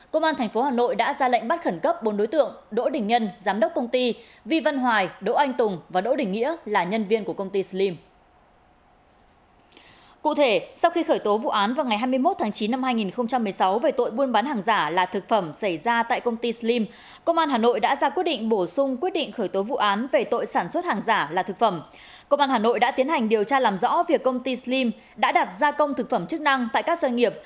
công an hà nội đã tiến hành điều tra làm rõ việc công ty slim đã đặt gia công thực phẩm chức năng tại các doanh nghiệp